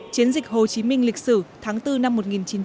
chiến dịch hồ chí minh lịch sử tháng bốn năm một nghìn chín trăm bảy mươi